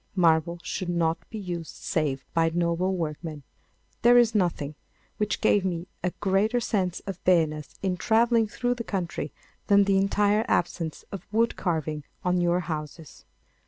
Marble should not be used save by noble workmen. There is nothing which gave me a greater sense of barrenness in travelling through the country than the entire absence of wood carving on your houses.